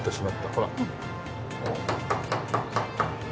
ほら。